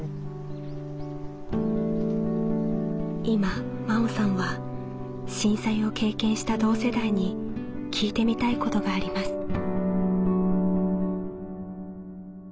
今真緒さんは震災を経験した同世代に聞いてみたいことがあります。